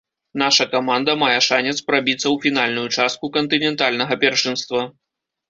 Наша каманда мае шанец прабіцца ў фінальную частку кантынентальнага першынства.